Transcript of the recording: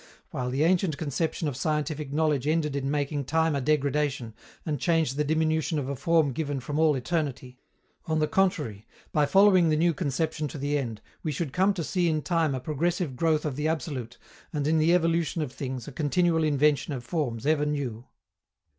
While the ancient conception of scientific knowledge ended in making time a degradation, and change the diminution of a form given from all eternity on the contrary, by following the new conception to the end, we should come to see in time a progressive growth of the absolute, and in the evolution of things a continual invention of forms ever new.